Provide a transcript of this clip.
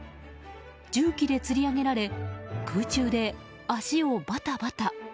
重機でつり上げられ空中で足をバタバタ。